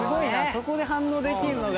そこで反応できるのが。